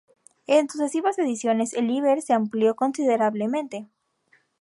En sucesivas ediciones, el "Liber" se amplió considerablemente.